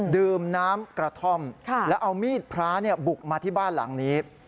ดื่มน้ำกระท่อมแล้วเอามีดพระบุกมาที่บ้านหลังนี้